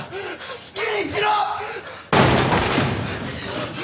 好きにしろ！